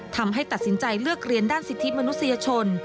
ทำให้ตัดสินใจเลือกเรียนด้านสิทธิมนุษยชน